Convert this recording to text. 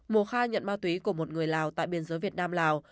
mùa khai nhận ma túy của một người lào tại biên giới việt nam lào